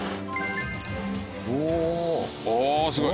おおすごい！